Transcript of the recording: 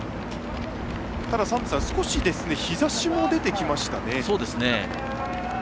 少し日ざしも出てきましたね。